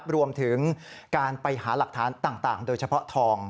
รวมถึงการไปหาหลักฐานต่างโดยเฉพาะทอง